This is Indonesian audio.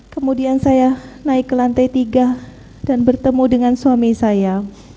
kemudian saya naik ke lantai tiga dan bertemu dengan suami saya